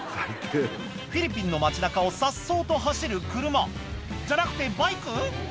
フィリピンの街中をさっそうと走る車じゃなくてバイク？